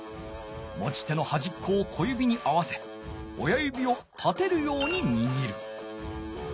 持ち手のはじっこを小指に合わせ親指を立てるようににぎる。